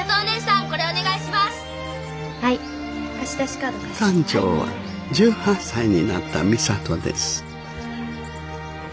館長は１８歳になった美里です。